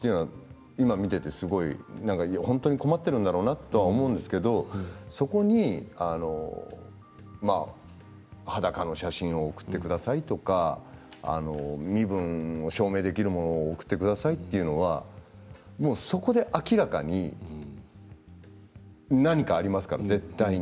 今、見ていてよく本当に困っているんだろうなと思うんですけどそこに裸の写真を送ってくださいとか身分を証明できるものを送ってください、というのはそこで、明らかに何かありますから絶対に。